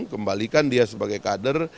kembalikan dia sebagai kader